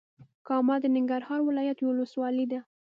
کامه د ننګرهار ولايت یوه ولسوالې ده.